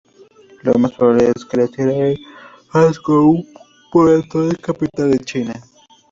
Lo más probable es que naciera en Hangzhou, por entonces capital de China.